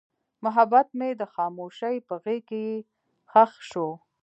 محبت مې د خاموشۍ په غېږ کې ښخ شو.